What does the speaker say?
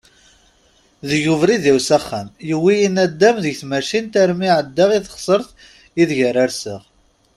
Deg ubrid-iw s axxam, yewwi-yi nadam deg tmacint armi εeddaɣ i teɣsert ideg ara rseɣ.